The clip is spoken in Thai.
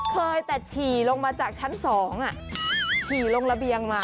เคยแต่ฉี่ลงมาจากชั้น๒ฉี่ลงระเบียงมา